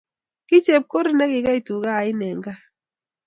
Ki chepkorir negigee tuga oin eng gaa